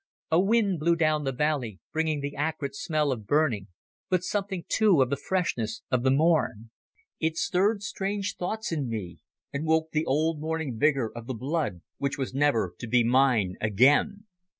A wind blew down the valley, bringing the acrid smell of burning, but something too of the freshness of morn. It stirred strange thoughts in me, and woke the old morning vigour of the blood which was never to be mine again.